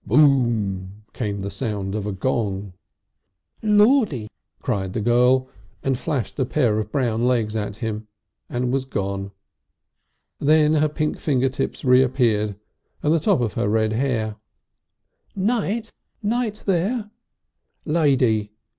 "Boom!" came the sound of a gong. "Lordy!" cried the girl and flashed a pair of brown legs at him and was gone. Then her pink finger tips reappeared, and the top of her red hair. "Knight!" she cried from the other side of the wall. "Knight there!" "Lady!"